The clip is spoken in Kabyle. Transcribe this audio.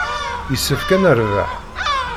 Yessefk ad nerbeḥ.